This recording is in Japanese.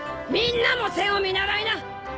みんなも千を見習いな。